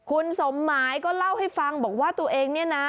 คุณสมหมายก็เล่าให้ฟังบอกว่าตัวเองเนี่ยนะ